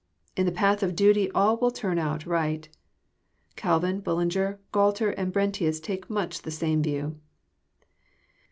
In the path of duty all will turn out right. Calvin, Bullinger, Gualter, and Brentius, take much the same view.